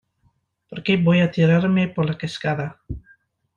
porque voy a tirarme por la cascada.